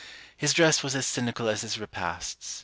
His dress was as cynical as his repasts.